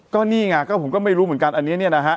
ก็นี่ไงก็ผมก็ไม่รู้เหมือนกันอันนี้เนี่ยนะฮะ